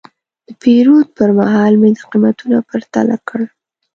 د پیرود پر مهال مې قیمتونه پرتله کړل.